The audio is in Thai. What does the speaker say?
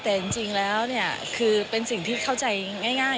แต่จริงแล้วเนี่ยคือเป็นสิ่งที่เข้าใจง่าย